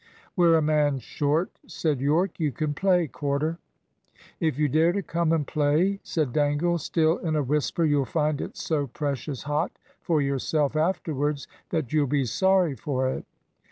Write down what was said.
"We're a man short," said Yorke. "You can play, Corder." "If you dare to come and play," said Dangle, still in a whisper, "you'll find it so precious hot for yourself afterwards that you'll be sorry for it."